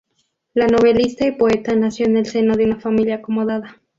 La novelista y poeta nació en el seno de una familia acomodada.